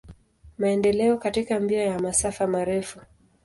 Maendeleo katika mbio ya masafa marefu.